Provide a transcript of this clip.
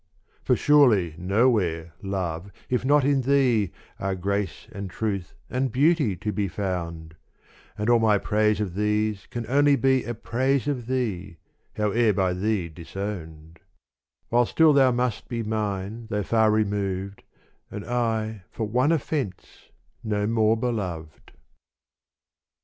For surely nowhere, love, if not in thee Are grace and truth and beauty to be found : And all my praise of these can only be A praise of thee, howe'er by thee disowned : While still thou must be mine though far removed,^ And I for one offence no more beloved.